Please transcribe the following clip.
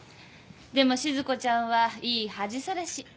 でもしず子ちゃんはいい恥さらし。